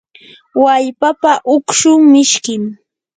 wallpapa ukshun mishkim.